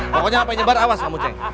pokoknya apa yang nyebar awas kamu cek